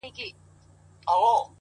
صبر د بریا د رسېدو پُل دی،